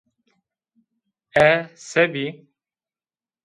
E, se bî?